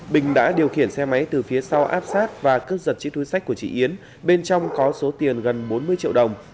bình đã điều khiển xe máy từ phía sau áp sát và cướp giật chiếc túi sách của chị yến bên trong có số tiền gần bốn mươi triệu đồng